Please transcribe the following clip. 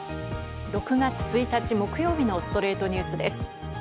６月１日、木曜日の『ストレイトニュース』です。